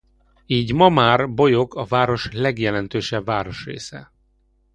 Így ma már Bolyok a város legjelentősebb városrésze.